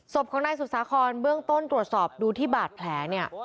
ศพของนายศุษภาคอนเบื้องต้นตรวจสอบดูที่บาดแผล